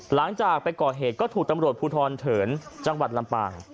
หลังจากไปก่อเหตุก็ถูกตำรวจภูทรเถินจังหวัดลำปาง